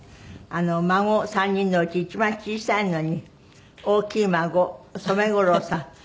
孫３人のうち一番小さいのに大きい孫染五郎さん